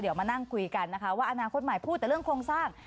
เดี๋ยวมานั่งคุยกันนะคะว่าอนาคตใหม่พูดแต่เรื่องโครงสร้าง